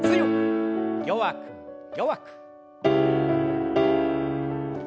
弱く弱く。